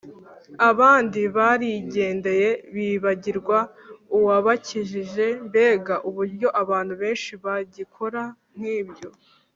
abandi barigendeye bibagirwa uwabakijije mbega uburyo abantu benshi bagikora nk’ibyo!